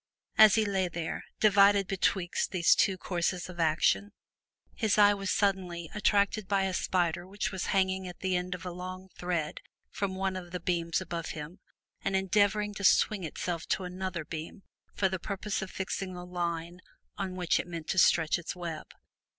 As he lay there, divided betwixt these two courses of action, his eye was suddenly attracted by a spider which was hanging at the end of a long thread from one of the beams above him and endeavoring to swing itself to another beam for the purpose of fixing the line on which it meant to stretch its web.